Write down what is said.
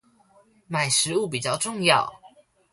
買食物比較重要